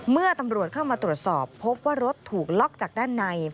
เมื่อตำรวจเข้ามาตรวจสอบพบว่ารถถูกล็อกจากด้านใน